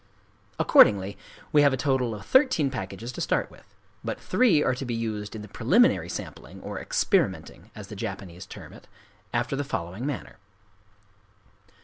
Accordingly we have a total of thirteen packages to start with; but three are to be used in the preliminary sampling, or "experimenting"—as the Japanese term it,—after the following manner.